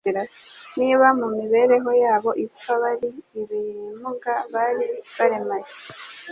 Niba mu mibereho yabo ipfa bari ibimuga, bari baremaye,